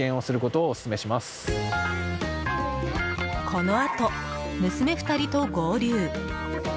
このあと、娘２人と合流。